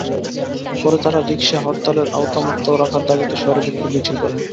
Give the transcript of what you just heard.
পরে তাঁরা রিকশা হরতালের আওতামুক্ত রাখার দাবিতে শহরে বিক্ষোভ মিছিল করেন।